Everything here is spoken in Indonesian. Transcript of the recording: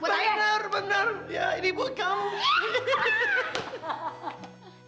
bener bener ya ini bukan